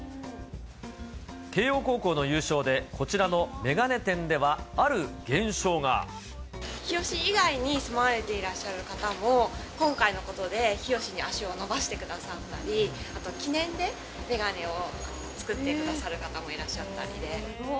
慶応高校の優勝で、こちらの日吉以外に住まわれていらっしゃる方も、今回のことで、日吉に足を延ばしてくださったり、あと記念で眼鏡を作ってくださる方もいらっしゃったりで。